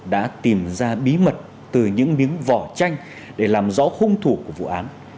đã tìm ra bí mật từ những miếng vỏ chanh để làm rõ hung thủ của vụ án